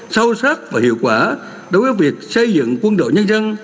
sâu sắc và hiệu quả đối với việc xây dựng quân đội nhân dân